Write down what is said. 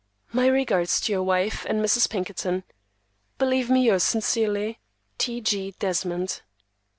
My regards to your wife and Mrs. Pinkerton. Believe me yours sincerely, T. G. DESMOND.